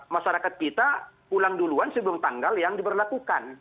masyarakat kita pulang duluan sebelum tanggal yang diberlakukan